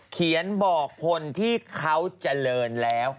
เขียนบอกคนที่เขาเจริญแล้ว